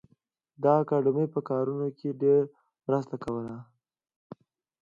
د اکاډمۍ په کارونو کې ډېره مرسته کوله